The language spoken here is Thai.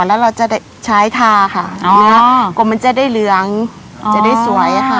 แล้วเราจะได้ใช้ทาค่ะอ๋อกว่ามันจะได้เหลืองจะได้สวยค่ะ